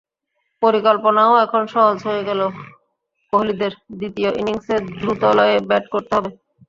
পরিকল্পনাও এখন সহজ হয়ে গেল কোহলিদের, দ্বিতীয় ইনিংসে দ্রুতলয়ে ব্যাট করতে হবে।